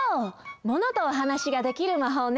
モノとおはなしができるまほうね。